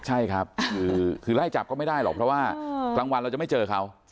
ใช่ครับคือไล่จับก็ไม่ได้หรอกเพราะว่ากลางวันเราจะไม่เจอเขา